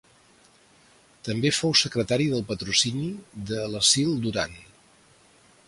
També fou secretari del patrocini de l'Asil Duran.